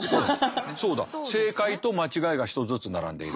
正解と間違いが１つずつ並んでいる。